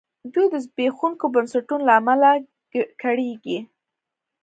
دوی د زبېښونکو بنسټونو له امله کړېږي.